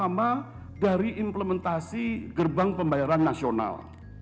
terdapat tiga sasaran utama dari implementasi gerbang pembayaran nasional